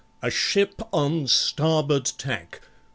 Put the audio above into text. A ship on starboard tack!